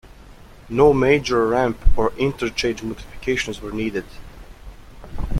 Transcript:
No major ramp or interchange modifications were needed.